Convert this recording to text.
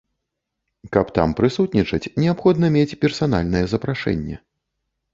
Каб там прысутнічаць, неабходна мець персанальнае запрашэнне.